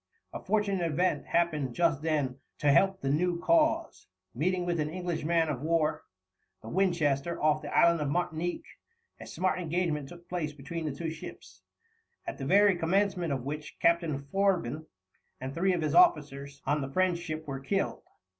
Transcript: A fortunate event happened just then to help the new "cause." Meeting with an English man of war, the Winchester, off the island of Martinique, a smart engagement took place between the two ships, at the very commencement of which Captain Fourbin and three of the officers on the French ship were killed.